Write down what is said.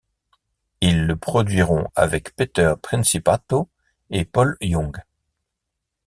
Ils le produiront avec Peter Principato et Paul Young.